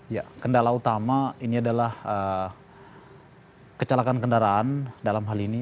ya kendala utama ini adalah kecelakaan kendaraan dalam hal ini